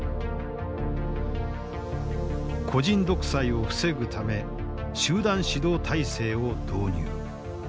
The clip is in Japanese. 個人独裁を防ぐため集団指導体制を導入。